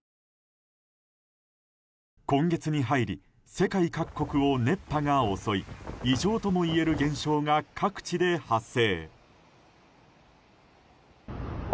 今月に入り世界各国を熱波が襲い異常ともいえる現象が各地で発生。